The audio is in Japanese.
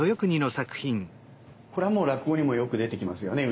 これはもう落語にもよく出てきますよね